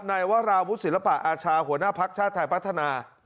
นายวราวุศิลปะอาชาหัวหน้าภักดิ์ชาติไทยพัฒนา